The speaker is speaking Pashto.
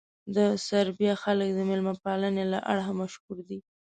د سربیا خلک د مېلمه پالنې له اړخه مشهور دي.